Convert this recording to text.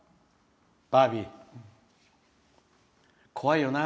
バービー、怖いよな。